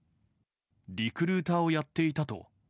リクルーターをやっていたと？